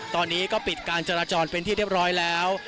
ตอนนี้ก็ปิดการจราจรเป็นที่เรียบร้อยแล้ว